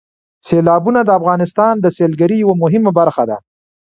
سیلابونه د افغانستان د سیلګرۍ یوه مهمه برخه ده.